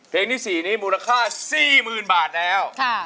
เพลงที่๔นี้มูลค่า๔๐๐๐บาทแล้ว